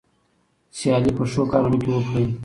سیالي په ښو کارونو کې وکړئ.